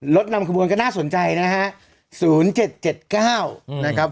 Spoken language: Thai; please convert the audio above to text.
รถนำขบวนก็น่าสนใจนะฮะศูนย์เจ็ดเจ็ดเก้าอืมนะครับผม